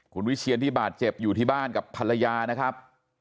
คุณวิเชียนที่บาดเจ็บอยู่ที่บ้านกับภรรยานะครับ